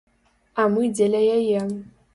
А мы дзеля яе.